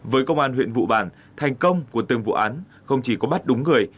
với công an huyện vụ bản thành công của từng vụ án không chỉ có bắt đúng người